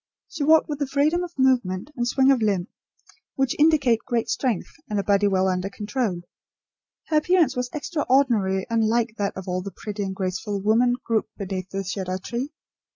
She walked with the freedom of movement and swing of limb which indicate great strength and a body well under control. Her appearance was extraordinarily unlike that of all the pretty and graceful women grouped beneath the cedar tree.